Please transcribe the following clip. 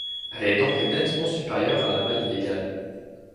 Elle est donc nettement supérieure à la maille légale.